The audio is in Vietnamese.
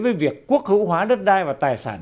với việc quốc hữu hóa đất đai và tài sản